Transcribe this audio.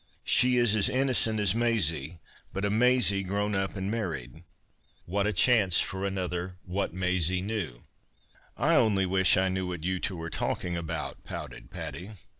She is as innocent as Maisie, but a Maisie grown up and married. What a chance for another ' What Maisie knew ' 1 "" I only wish I knew what you two are talking about," pouted Patty.